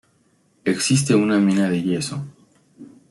Existe una mina de yeso.